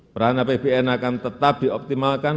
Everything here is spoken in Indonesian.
peran apbn akan tetap dioptimalkan